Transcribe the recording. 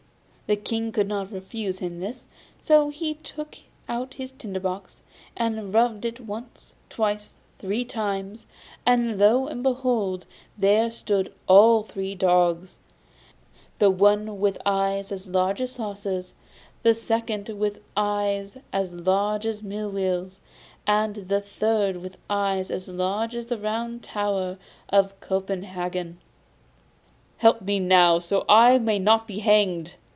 The King could not refuse him this, and so he took out his tinder box, and rubbed it once, twice, three times. And lo, and behold I there stood all three dogs the one with eyes as large as saucers, the second with eyes as large as mill wheels, and the third with eyes each as large as the Round Tower of Copenhagen. 'Help me now, so that I may not be hanged!